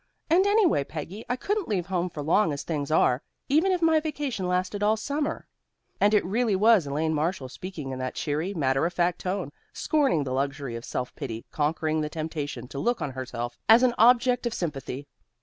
And, anyway, Peggy, I couldn't leave home for long as things are, even if my vacation lasted all summer." And it really was Elaine Marshall, speaking in that cheery, matter of fact tone, scorning the luxury of self pity, conquering the temptation to look on herself as an object of sympathy.